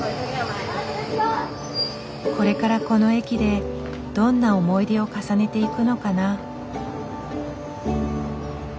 これからこの駅でどんな思い出を重ねていくのかな。